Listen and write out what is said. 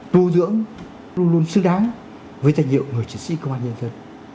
tu dưỡng luôn luôn xứng đáng với tài liệu người chỉ sĩ công an nhân dân